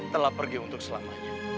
telah pergi untuk selamanya